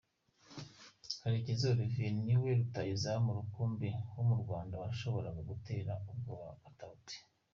Karekezi Olivier ni we rutahizamu rukumbi wo mu Rwanda washoboraga gutera ubwoba Katauti.